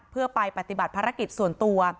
เพื่อไปปฏิบัติภารกิจส่วนตัว